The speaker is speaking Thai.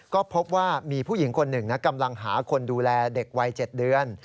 ก็พบว่ามีผู้หญิงคนหนึ่งนะกำลังหาคนดูแลเด็กวัย๗เดือน